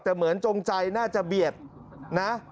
แต่เหมือนจงใจน่าจะเบียดนะ